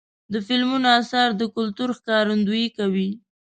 د فلمونو اثار د کلتور ښکارندویي کوي.